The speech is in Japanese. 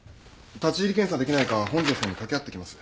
立入検査できないか本庄さんに掛け合ってきます。